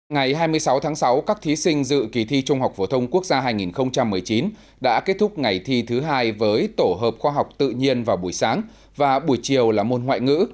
ngày hai mươi sáu tháng sáu các thí sinh dự kỳ thi trung học phổ thông quốc gia hai nghìn một mươi chín đã kết thúc ngày thi thứ hai với tổ hợp khoa học tự nhiên vào buổi sáng và buổi chiều là môn ngoại ngữ